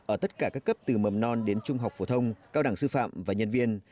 ở tất cả các cấp từ mầm non đến trung học phổ thông cao đẳng sư phạm và nhân viên